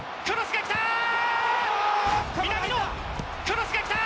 クロスが来た！